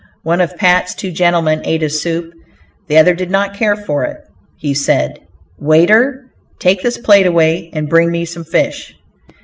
One of Pat's two gentlemen ate his soup; the other did not care for it. He said: "Waiter, take this plate away and bring me some fish."